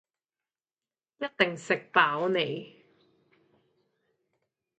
一定食飽你